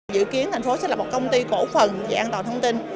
dự kiến thành phố sẽ là một công ty cổ phần về an toàn thông tin